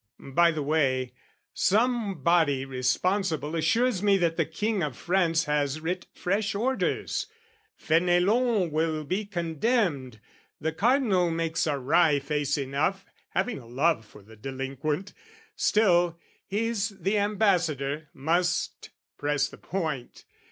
"By the way, somebody responsible "Assures me that the King of France has writ "Fresh orders: Fenelon will be condemned: "The Cardinal makes a wry face enough, "Having a love for the delinquent: still, "He's the ambassador, must press the point.